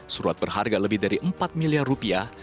surat berharga lebih dari empat miliar rupiah